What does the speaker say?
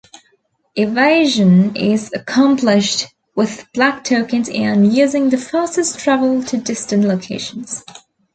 Evasion is accomplished with black tokens and using the fastest travel to distant locations.